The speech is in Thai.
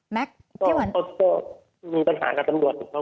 มีปัญหาการตำรวจบสักช่วง